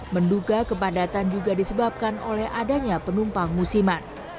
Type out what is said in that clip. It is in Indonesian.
menduga kepadatan juga disebabkan oleh adanya penumpang musiman